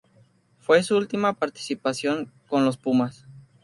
Fue su última participación con los Pumas.